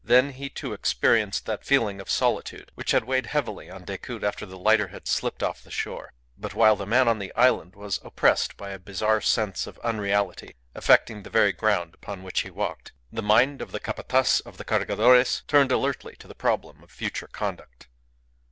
Then he, too, experienced that feeling of solitude which had weighed heavily on Decoud after the lighter had slipped off the shore. But while the man on the island was oppressed by a bizarre sense of unreality affecting the very ground upon which he walked, the mind of the Capataz of the Cargadores turned alertly to the problem of future conduct.